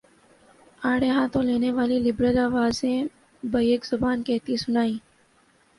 آڑے ہاتھوں لینے والی لبرل آوازیں بیک زبان کہتی سنائی